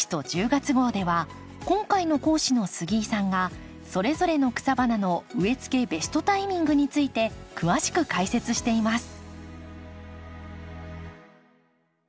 月号では今回の講師の杉井さんがそれぞれの草花の植えつけベストタイミングについて詳しく解説しています。